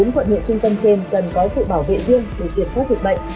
bốn quận huyện trung tâm trên cần có sự bảo vệ riêng để kiểm soát dịch bệnh